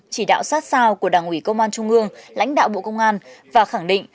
chỉ đạo sát sao của đảng ủy công an trung ương lãnh đạo bộ công an và khẳng định